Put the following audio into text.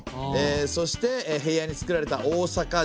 そして平野につくられた大坂城。